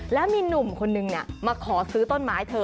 แล้วมีหนุ่มคนนึงมาขอซื้อต้นไม้เธอ